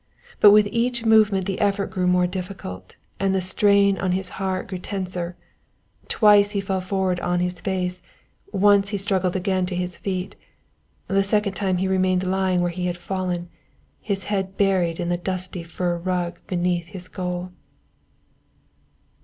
But with each movement the effort grew more difficult and the strain on his heart grew tenser. Twice he fell forward on to his face, once he struggled again to his feet. The second time he remained lying where he had fallen, his head buried in the dusty fur rug beneath his goal.